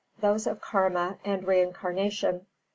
Those of Karma and Reincarnation.